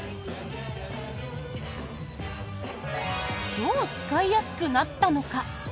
どう使いやすくなったのか？